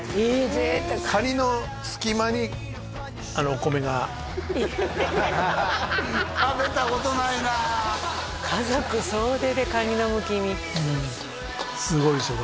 贅沢カニの隙間にお米が食べたことないな家族総出でカニのむき身うんすごいでしょ